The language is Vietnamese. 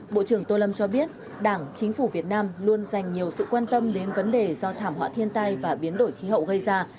bộ trưởng tô lâm cho biết đảng chính phủ việt nam luôn dành nhiều sự quan tâm đến vấn đề do thảm họa thiên tai và biến đổi khí hậu gây ra